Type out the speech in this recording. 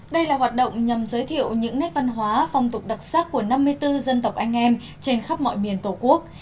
đây là hoạt động nhằm giới thiệu những nét văn hóa phong tục đặc sắc của năm mươi bốn dân tộc anh em trên khắp mọi miền tổ quốc